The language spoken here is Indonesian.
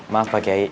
maaf pak kei